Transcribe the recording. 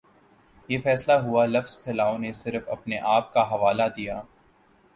یہ فیصلہ ہوا لفظ پھیلاؤ نے صرف اپنے آپ کا حوالہ دیا